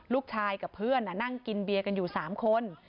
ลูกชายกับเพื่อนน่ะนั่งกินเบียกันอยู่๓คน